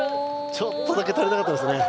ちょっとだけ足りなかったですね。